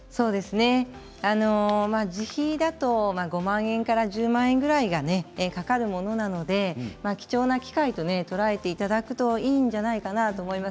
自費だと５万円から１０万円ぐらいかかるものなので貴重な機会と捉えていただければいいと思います。